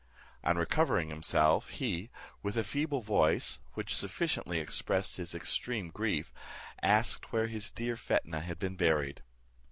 On recovering himself, he, with a feeble voice, which sufficiently expressed his extreme grief, asked where his dear Fetnah had been buried.